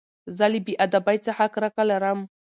زه له بې ادبۍ څخه کرکه لرم.